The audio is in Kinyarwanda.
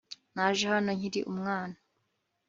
Naje hano nkiri umwana